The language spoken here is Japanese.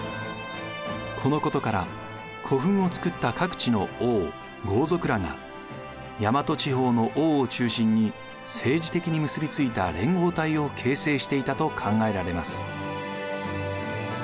このことから古墳を造った各地の王豪族らが大和地方の王を中心に政治的に結びついた連合体を形成していたと考えられます。